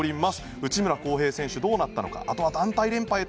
内村航平選手、どうなったのか。